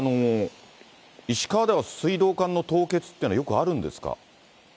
石川では水道管の凍結ってのはよくあるんですか？